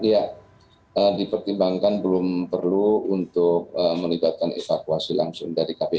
ya dipertimbangkan belum perlu untuk melibatkan evakuasi langsung dari kpu